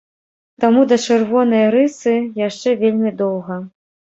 Таму да чырвонай рысы яшчэ вельмі доўга.